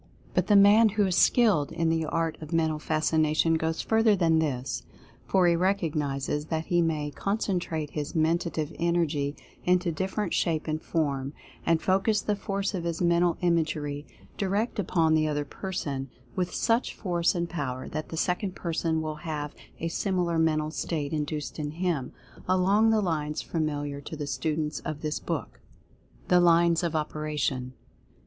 But, the man who is skilled 205 206 Mental Fascination in the art of Mental Fascination goes further than this, for he recognizes that he may concentrate his Mentative Energy into definite shape and form, and focus the force of his Mental Imagery direct upon the other person, with such force and power that the second person will have a similar mental state induced in him, along the lines familiar to the students of this book. THE LINES OF OPERATION.